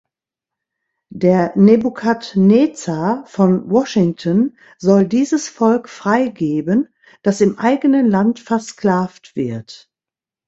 Der Nebukadnezar von Washington soll dieses Volk freigeben, das im eigenen Land versklavt wird.